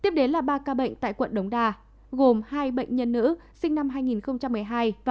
tiếp đến là ba ca bệnh tại quận đống đa gồm hai bệnh nhân nữ sinh năm hai nghìn một mươi hai và một nghìn chín trăm bảy mươi sáu